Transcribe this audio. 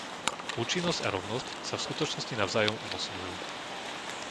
Účinnosť a rovnosť sa v skutočnosti navzájom umocňujú.